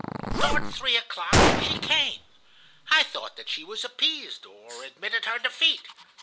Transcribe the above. "Toward three o'clock she came. I thought that she was appeased, or admitted her defeat.